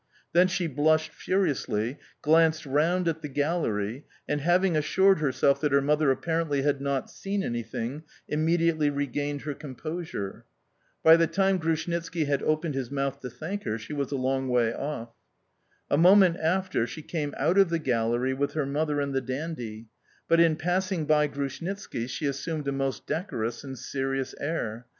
Then she blushed furiously, glanced round at the gallery, and, having assured herself that her mother apparently had not seen anything, immediately regained her composure. By the time Grushnitski had opened his mouth to thank her she was a long way off. A moment after, she came out of the gallery with her mother and the dandy, but, in passing by Grushnitski, she assumed a most decorous and serious air.